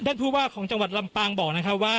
ผู้ว่าของจังหวัดลำปางบอกนะครับว่า